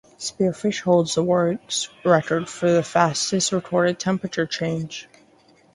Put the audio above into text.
Spearfish holds the world record for the fastest recorded temperature change.